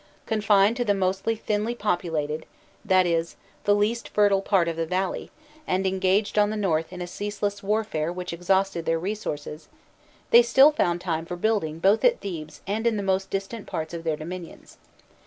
Confined to the most thinly populated, that is, the least fertile part of the valley, and engaged on the north in a ceaseless warfare which exhausted their resources, they still found time for building both at Thebes and in the most distant parts of their dominions.